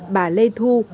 bà lê thu